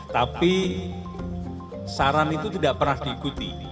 tapi saran itu tidak pernah diikuti